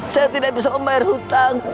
saya tidak bisa membayar hutang